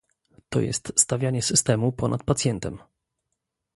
To jest stawianie systemu ponad pacjentem